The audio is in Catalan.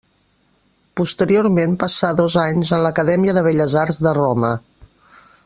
Posteriorment passà dos anys en l'Acadèmia de Belles Arts de Roma.